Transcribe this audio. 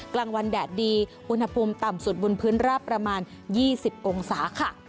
กลางวันแดดดีอุณหภูมิต่ำสุดบนพื้นราบประมาณ๒๐องศาค่ะ